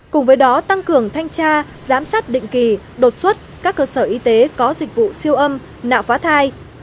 cùng với đó tăng cường thanh tra giám sát định kỳ đột xuất các cơ sở y tế có dịch vụ siêu âm nạo phá thai